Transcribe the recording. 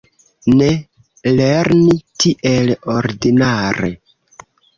Ne lerni tiel ordinare.